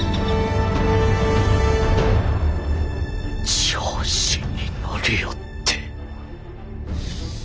調子に乗りおって。